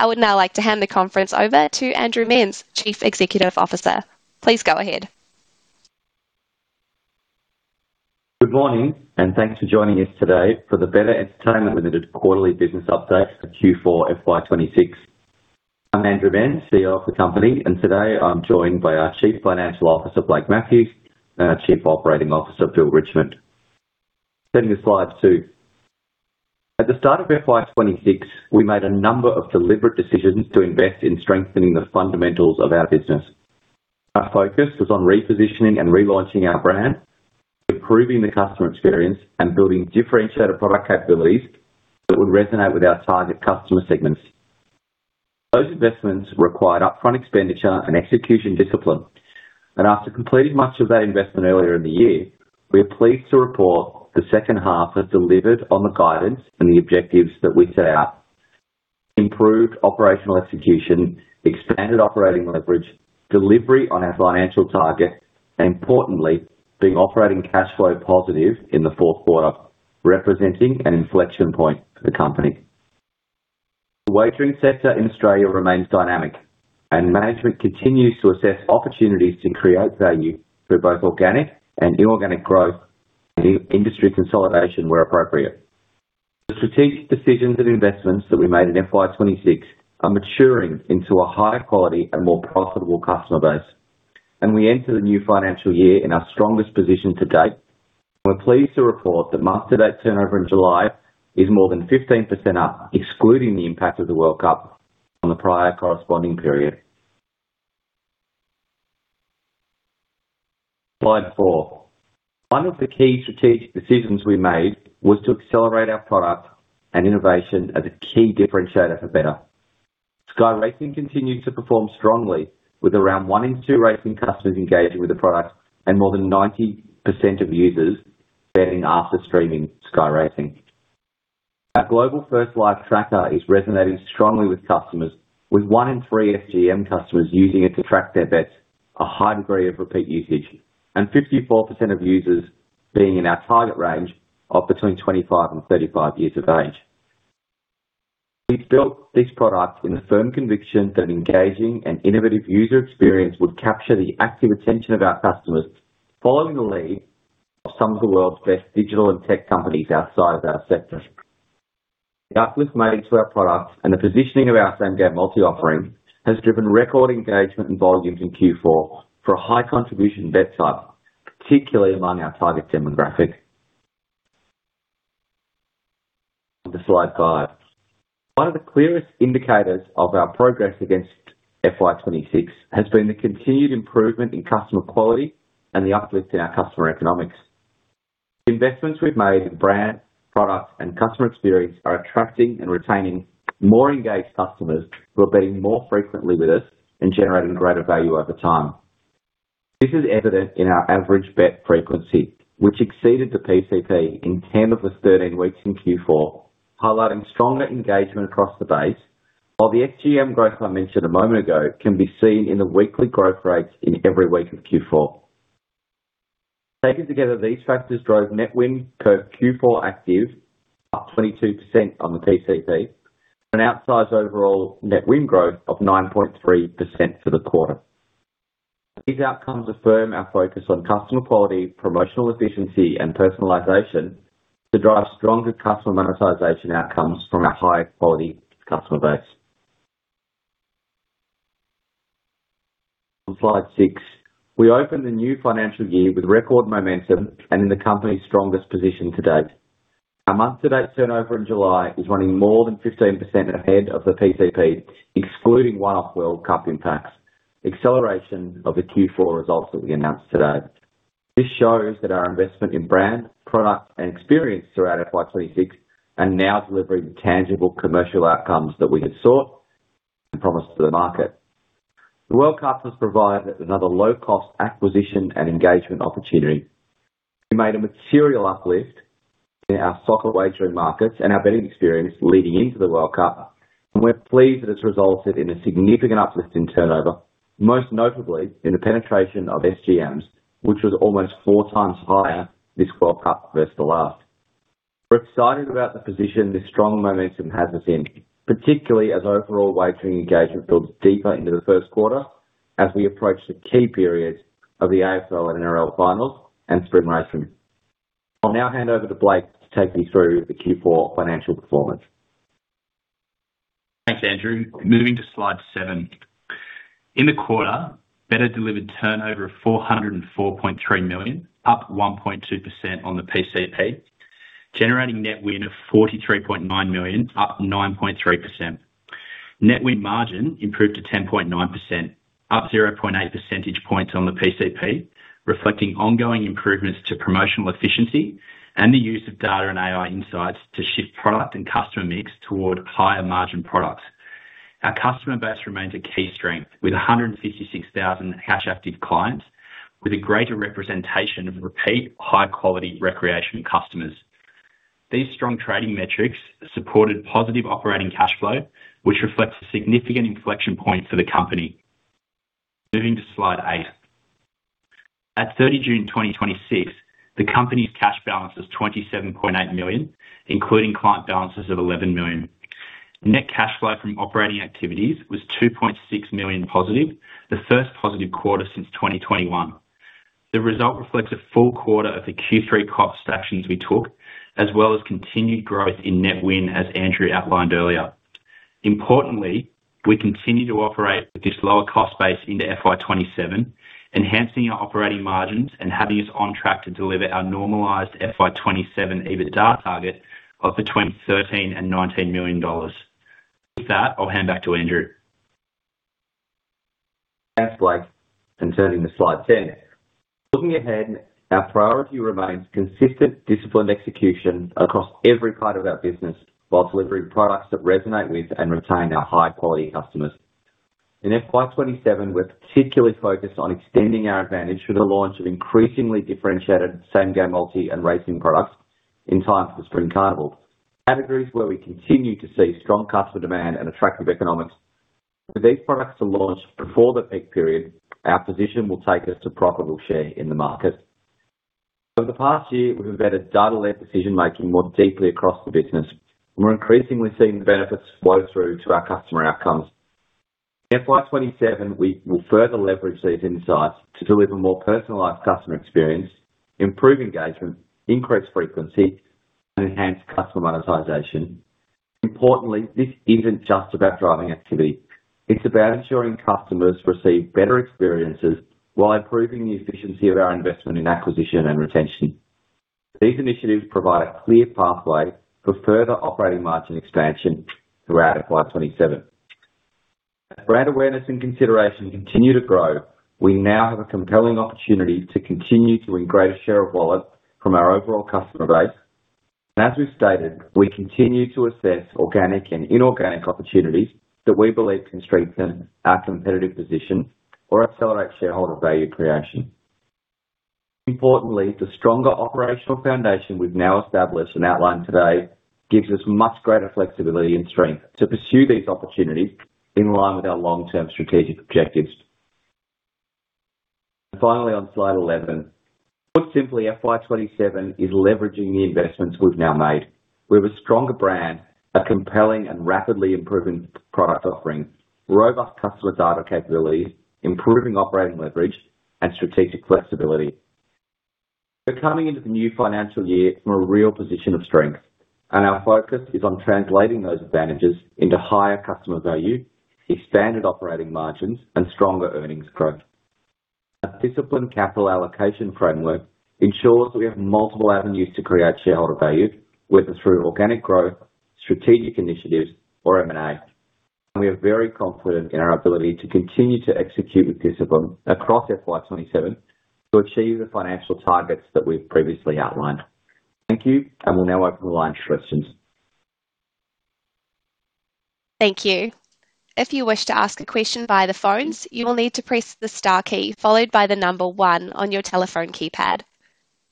I would now like to hand the conference over to Andrew Menz, Chief Executive Officer. Please go ahead. Good morning, and thanks for joining us today for the betr Entertainment Limited quarterly business update for Q4 FY 2026. I'm Andrew Menz, CEO of the company, and today I'm joined by our Chief Financial Officer, Blake Matthews, and our Chief Operating Officer, Bill Richmond. Turning to slide two. At the start of FY 2026, we made a number of deliberate decisions to invest in strengthening the fundamentals of our business. Our focus was on repositioning and relaunching our brand, improving the customer experience, and building differentiated product capabilities that would resonate with our target customer segments. Those investments required upfront expenditure and execution discipline. After completing much of that investment earlier in the year, we are pleased to report the second half has delivered on the guidance and the objectives that we set out. Improved operational execution, expanded operating leverage, delivery on our financial targets, and importantly, being operating cash flow positive in the fourth quarter, representing an inflection point for the company. The wagering sector in Australia remains dynamic, and management continues to assess opportunities to create value through both organic and inorganic growth and industry consolidation where appropriate. The strategic decisions and investments that we made in FY 2026 are maturing into a higher quality and more profitable customer base, and we enter the new financial year in our strongest position to date. We're pleased to report that month-to-date turnover in July is more than 15% up, excluding the impact of the World Cup on the prior corresponding period. Slide four. One of the key strategic decisions we made was to accelerate our product and innovation as a key differentiator for betr. Sky Racing continued to perform strongly with around one in two racing customers engaging with the product and more than 90% of users betting after streaming Sky Racing. Our global first Live Tracker is resonating strongly with customers, with one in three SGM customers using it to track their bets, a high degree of repeat usage, and 54% of users being in our target range of between 25 and 35 years of age. We've built this product in the firm conviction that engaging an innovative user experience would capture the active attention of our customers, following the lead of some of the world's best digital and tech companies outside of our sector. The uplift made to our product and the positioning of our Same Game Multi-offering has driven record engagement and volumes in Q4 for a high contribution bet type, particularly among our target demographic. On to slide five. One of the clearest indicators of our progress against FY 2026 has been the continued improvement in customer quality and the uplift in our customer economics. The investments we've made in brand, product, and customer experience are attracting and retaining more engaged customers who are betting more frequently with us and generating greater value over time. This is evident in our average bet frequency, which exceeded the PCP in ten of the 13 weeks in Q4, highlighting stronger engagement across the base. While the SGM growth I mentioned a moment ago can be seen in the weekly growth rates in every week of Q4. Taken together, these factors drove net wins per Q4 active up 22% on the PCP and outsized overall net win growth of 9.3% for the quarter. These outcomes affirm our focus on customer quality, promotional efficiency, and personalization to drive stronger customer monetization outcomes from a high-quality customer base. On slide six. We open the new financial year with record momentum and in the company's strongest position to date. Our month-to-date turnover in July is running more than 15% ahead of the PCP, excluding one-off World Cup impacts, acceleration of the Q4 results that we announced today. This shows that our investment in brand, product, and experience throughout FY 2026 are now delivering the tangible commercial outcomes that we had sought and promised to the market. The World Cup has provided another low-cost acquisition and engagement opportunity. We made a material uplift in our soccer wagering markets and our betting experience leading into the World Cup, and we're pleased that it's resulted in a significant uplift in turnover, most notably in the penetration of SGMs, which was almost four times higher this World Cup versus the last. We're excited about the position this strong momentum has us in, particularly as overall wagering engagement builds deeper into the first quarter as we approach the key periods of the AFL and NRL finals and Spring Racing. I'll now hand over to Blake to take you through the Q4 financial performance. Thanks, Andrew. Moving to slide seven. In the quarter, betr delivered turnover of 404.3 million, up 1.2% on the PCP, generating net win of 43.9 million, up 9.3%. Net win margin improved to 10.9%, up 0.8 percentage points on the PCP, reflecting ongoing improvements to promotional efficiency and the use of data and AI insights to shift product and customer mix toward higher-margin products. Our customer base remains a key strength, with 156,000 cash-active clients with a greater representation of repeat high-quality recreational customers. These strong trading metrics supported positive operating cash flow, which reflects a significant inflection point for the company. Moving to slide eight. At 30 June 2026, the company's cash balance was 27.8 million, including client balances of 11 million. Net cash flow from operating activities was 2.6 million positive, the first positive quarter since 2021. The result reflects a full quarter of the Q3 cost actions we took, as well as continued growth in net win, as Andrew outlined earlier. Importantly, we continue to operate with this lower cost base into FY 2027, enhancing our operating margins and having us on track to deliver our normalized FY 2027 EBITDA target of between 13 million and 19 million dollars. With that, I'll hand back to Andrew. Thanks, Blake, turning to slide 10. Looking ahead, our priority remains consistent, disciplined execution across every part of our business while delivering products that resonate with and retain our high-quality customers. In FY 2027, we're particularly focused on extending our advantage through the launch of increasingly differentiated Same Game Multi and racing products in time for the Spring Racing Carnival. Categories where we continue to see strong customer demand and attractive economics. For these products to launch before the peak period, our position will take us to profitable share in the market. Over the past year, we've embedded data-led decision-making more deeply across the business, and we're increasingly seeing the benefits flow through to our customer outcomes. In FY 2027, we will further leverage these insights to deliver more personalized customer experience, improve engagement, increase frequency, and enhance customer monetization. Importantly, this isn't just about driving activity. It's about ensuring customers receive better experiences while improving the efficiency of our investment in acquisition and retention. These initiatives provide a clear pathway for further operating margin expansion throughout FY 2027. As brand awareness and consideration continue to grow, we now have a compelling opportunity to continue to increase share of wallet from our overall customer base. As we've stated, we continue to assess organic and inorganic opportunities that we believe can strengthen our competitive position or accelerate shareholder value creation. Importantly, the stronger operational foundation we've now established and outlined today gives us much greater flexibility and strength to pursue these opportunities in line with our long-term strategic objectives. Finally, on slide 11. Put simply, FY 2027 is leveraging the investments we've now made. We have a stronger brand, a compelling and rapidly improving product offering, robust customer data capabilities, improving operating leverage, and strategic flexibility. We're coming into the new financial year from a real position of strength, and our focus is on translating those advantages into higher customer value, expanded operating margins, and stronger earnings growth. Our disciplined capital allocation framework ensures we have multiple avenues to create shareholder value, whether through organic growth, strategic initiatives, or M&A. We are very confident in our ability to continue to execute with discipline across FY 2027 to achieve the financial targets that we've previously outlined. Thank you, we'll now open the line for questions. Thank you. If you wish to ask a question by the phones, you will need to press the star key followed by the number one on your telephone keypad.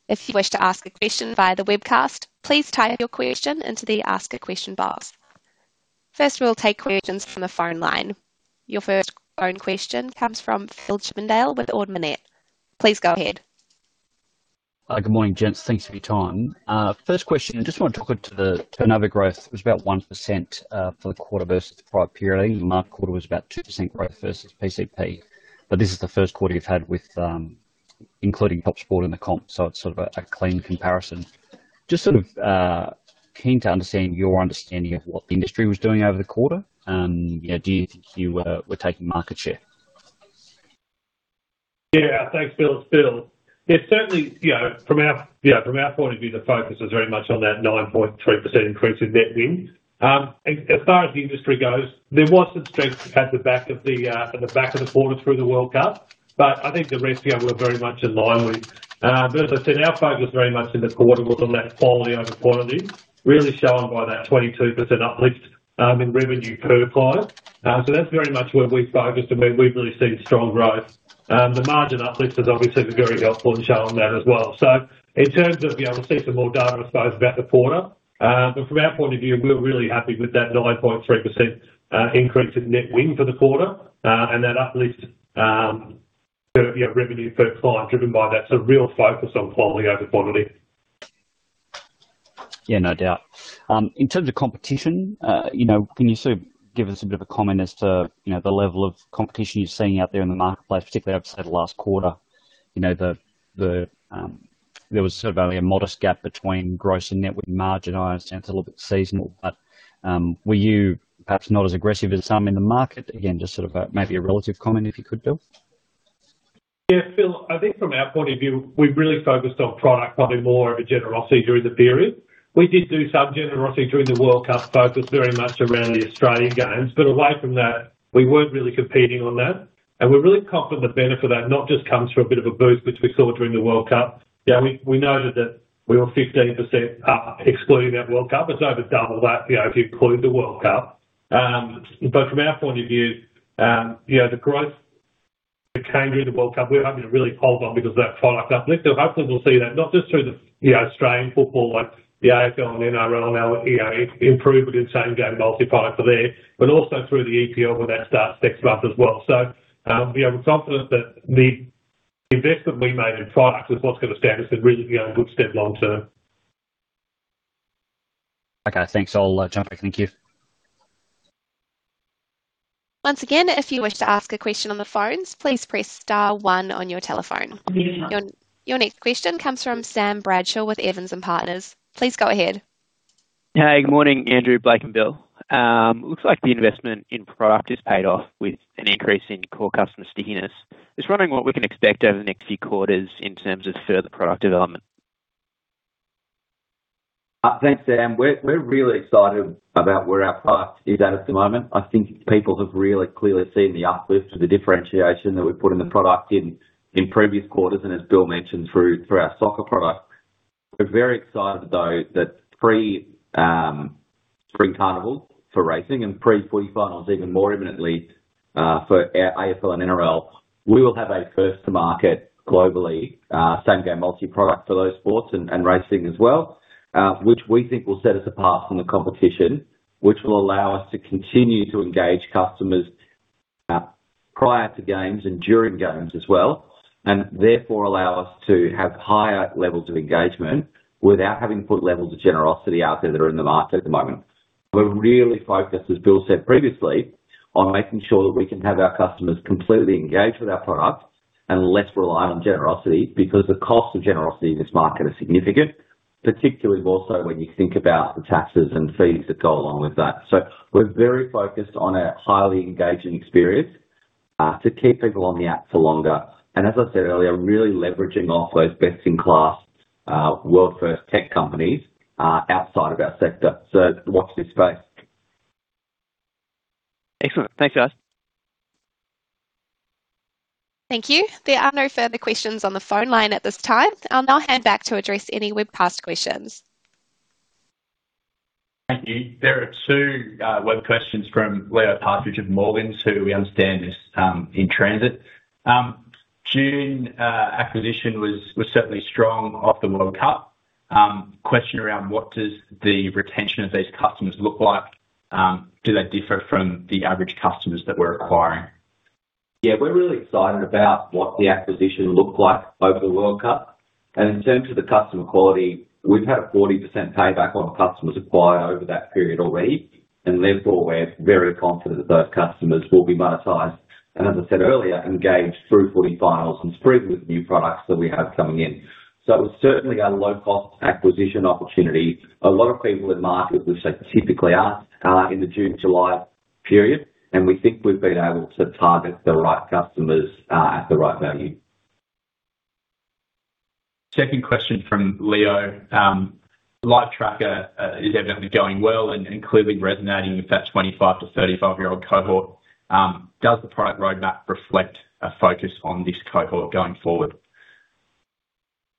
If you wish to ask a question via the webcast, please type your question into the ask a question box. First, we'll take questions from the phone line. Your first phone question comes from Phil Chippindale with Ord Minnett. Please go ahead. Good morning, gents. Thanks for your time. First question, just want to talk to the turnover growth. It was about 1% for the quarter versus the prior period. The March quarter was about 2% growth versus PCP. This is the first quarter you've had including TopSport in the comp, so it's sort of a clean comparison. Just sort of keen to understand your understanding of what the industry was doing over the quarter. Do you think you were taking market share? Yeah. Thanks, Phil. It's Bill. Yeah, certainly, from our point of view, the focus was very much on that 9.3% increase in net wins. As far as the industry goes, there was some strength at the back of the quarter through the World Cup. I think the rest of it, we're very much in line with. As I said, our focus very much in the quarter was on that quality over quantity, really shown by that 22% uplift in revenue per client. That's very much where we've focused, and we've really seen strong growth. The margin uplift is obviously very helpful in showing that as well. In terms of, we'll see some more data, I suppose, about the quarter. From our point of view, we're really happy with that 9.3% increase in net win for the quarter and that uplift revenue per client driven by that sort of real focus on quality over quantity. No doubt. Can you sort of give us a bit of a comment as to the level of competition you're seeing out there in the marketplace, particularly I would say the last quarter. There was sort of only a modest gap between gross and net win margin. I understand it's a little bit seasonal, but were you perhaps not as aggressive as some in the market? Again, just sort of maybe a relative comment if you could, Bill. Phil, I think from our point of view, we've really focused on product, probably more of a generosity during the period. We did do some generosity during the FIFA World Cup focused very much around the Australian games. Away from that, we weren't really competing on that. We're really confident the benefit of that not just comes from a bit of a boost, which we saw during the FIFA World Cup. We noted that we were 15% up excluding that FIFA World Cup. It's over double that if you include the FIFA World Cup. From our point of view, the growth we came through the FIFA World Cup, we're hoping to really hold on because of that product uplift. Hopefully we'll see that not just through the Australian football like the AFL and NRL and our improvement in Same Game Multi product are there, but also through the EPL when that starts next month as well. We are confident that the investment we made in products is what's going to stand us in really good stead long term. Okay. Thanks. I'll jump back. Thank you. Once again, if you wish to ask a question on the phones, please press star one on your telephone. Your next question comes from Sam Bradshaw with Evans and Partners. Please go ahead. Hey, good morning, Andrew, Blake, and Bill. Looks like the investment in product has paid off with an increase in core customer stickiness. Just wondering what we can expect over the next few quarters in terms of further product development? Thanks, Sam. We're really excited about where our product is at the moment. I think people have really clearly seen the uplift of the differentiation that we've put in the product in previous quarters. As Bill mentioned, through our soccer product, we're very excited, though, that pre-spring carnivals for racing and pre-footy finals even more imminently, for our AFL and NRL, we will have a first to market globally, Same Game Multi-product for those sports and racing as well, which we think will set us apart from the competition, which will allow us to continue to engage customers prior to games and during games as well. Therefore allow us to have higher levels of engagement without having to put levels of generosity out there that are in the market at the moment. We're really focused, as Bill said previously, on making sure that we can have our customers completely engaged with our product and less reliant on generosity because the cost of generosity in this market is significant, particularly also when you think about the taxes and fees that go along with that. We're very focused on a highly engaging experience to keep people on the app for longer. As I said earlier, really leveraging off those best-in-class, world-first tech companies outside of our sector. Watch this space. Excellent. Thanks, guys. Thank you. There are no further questions on the phone line at this time. I'll now hand back to address any webcast questions. Thank you. There are two web questions from Leo Partridge of Morgans who we understand is in transit. June acquisition was certainly strong off the World Cup. Question around what does the retention of these customers look like? Do they differ from the average customers that we're acquiring? Yeah, we're really excited about what the acquisition looked like over the World Cup. In terms of the customer quality, we've had a 40% payback on customers acquired over that period already. Therefore, we're very confident that those customers will be monetized, and as I said earlier, engaged through footy finals and Spring with new products that we have coming in. It was certainly a low-cost acquisition opportunity. A lot of people in markets, which they typically are, in the June-July period, and we think we've been able to target the right customers at the right value. Second question from Leo. Live Tracker is evidently going well and clearly resonating with that 25-35-year-old cohort. Does the product roadmap reflect a focus on this cohort going forward?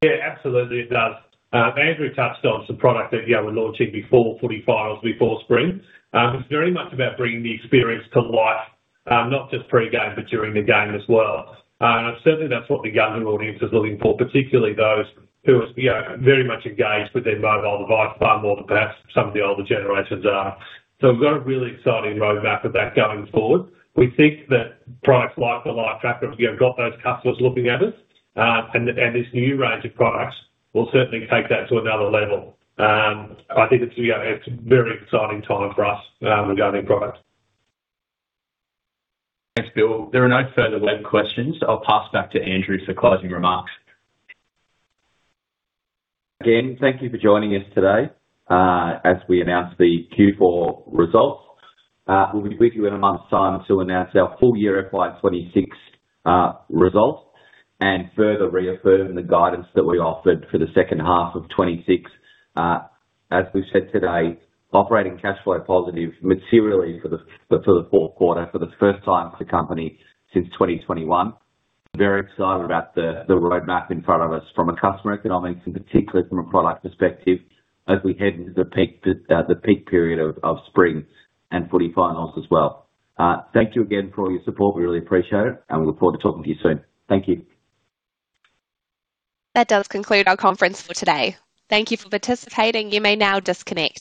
Absolutely, it does. Andrew touched on some product that, yeah, we're launching before footy finals, before spring. It's very much about bringing the experience to life, not just pre-game, but during the game as well. Certainly, that's what the younger audience is looking for, particularly those who are very much engaged with their mobile device far more than perhaps some of the older generations are. We've got a really exciting roadmap of that going forward. We think that products like the Live Tracker have got those customers looking at us, this new range of products will certainly take that to another level. I think it's a very exciting time for us regarding product. Thanks, Bill. There are no further web questions. I'll pass back to Andrew for closing remarks. Again, thank you for joining us today, as we announce the Q4 results. We'll be with you in a month's time to announce our full year FY 2026 results and further reaffirm the guidance that we offered for the second half of 2026. As we've said today, operating cash flow positive materially for the fourth quarter for the first time for the company since 2021. Very excited about the roadmap in front of us from a customer economics and particularly from a product perspective as we head into the peak period of spring and footy finals as well. Thank you again for all your support. We really appreciate it, we look forward to talking to you soon. Thank you. That does conclude our conference for today. Thank you for participating. You may now disconnect.